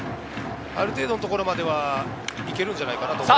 ある程度のところまではいけるんじゃないかなと。